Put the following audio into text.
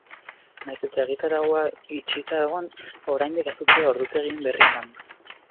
Nahiz eta egitaraua itxita egon, oraindik ez dute ordutegien berri eman.